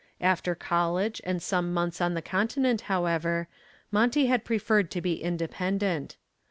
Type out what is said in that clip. After college and some months on the continent, however, Monty had preferred to be independent.